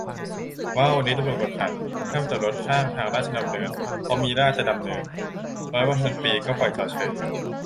ว้าว วันนี้ตำรวจกวดขัน ห้ามจอดรถข้างทางราชดำเนิน เพราะมีราชจะดำเนิน ร้อยวันพันปีก็ปล่อยจอดเฉย